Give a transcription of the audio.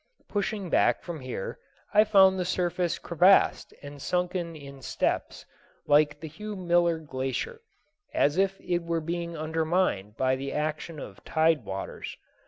Pushing back from here, I found the surface crevassed and sunken in steps, like the Hugh Miller Glacier, as if it were being undermined by the action of tide waters.